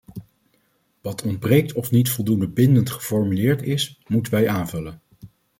Wat ontbreekt of niet voldoende bindend geformuleerd is, moeten wij aanvullen.